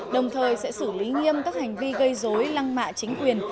đồng thời sẽ xử lý nghiêm các hành vi gây dối lăng mạ chính quyền